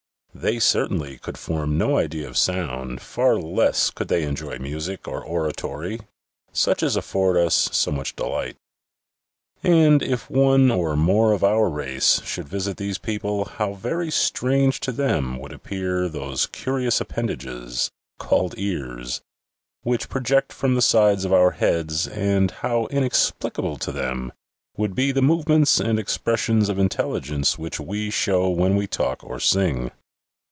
They certainly could form no idea of sound, far less could they enjoy music or oratory, such as afford us so much delight. And, if one or more of our race should visit these people, how very strange to them would appear those curious appendages, called ears, which project from the sides of our heads, and how inexplicable to them would be the movements and expressions of intelligence which we show when we talk or sing